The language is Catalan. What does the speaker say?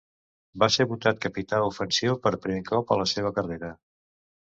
Va ser votat capità ofensiu per primer cop a la seva carrera.